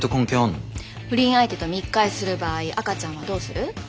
不倫相手と密会する場合赤ちゃんはどうする？